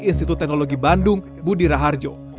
institut teknologi bandung budi raharjo